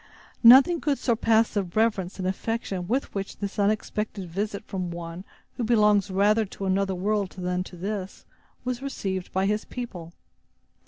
Nothing could surpass the reverence and affection with which this unexpected visit from one who belongs rather to another world than to this, was received by his people.